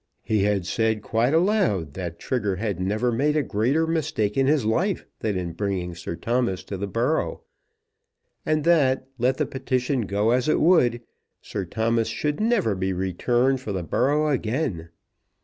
He had said quite aloud, that Trigger had never made a greater mistake in his life than in bringing Sir Thomas to the borough, and that, let the petition go as it would, Sir Thomas should never be returned for the borough again.